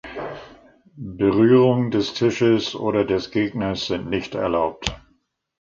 Berührung des Tisches oder des Gegners sind nicht erlaubt.